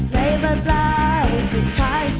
ในวันปลายสุดท้าย